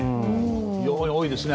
非常に多いですよね